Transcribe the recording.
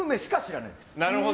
なるほど。